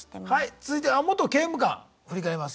続いては「元刑務官」振り返ります。